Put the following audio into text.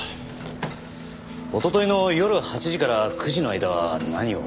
おとといの夜８時から９時の間は何を？